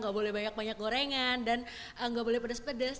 gak boleh banyak banyak gorengan dan nggak boleh pedas pedes